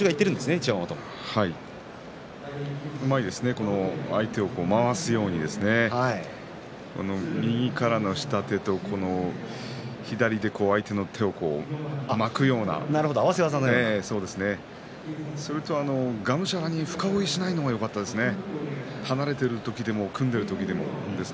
うまいですね相手を回すように右からの下手と左の相手の手を巻くようなそれとがむしゃらに深追いしないのがよかったですね。